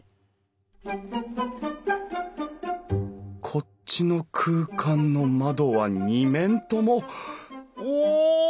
こっちの空間の窓は２面ともお！